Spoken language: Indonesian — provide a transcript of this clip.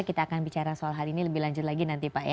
kita akan bicara soal hal ini lebih lanjut lagi nanti pak